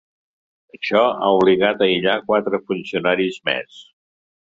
Això ha obligat a aïllar quatre funcionaris més.